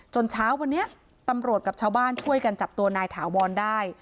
เช้าวันนี้ตำรวจกับชาวบ้านช่วยกันจับตัวนายถาวรได้